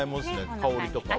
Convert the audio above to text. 香りとかは。